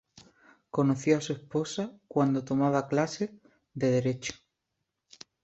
Conoció a su esposa cuando tomaba clases de derecho.